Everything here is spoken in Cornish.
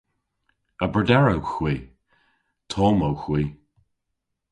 A brederowgh hwi? Tomm owgh hwi!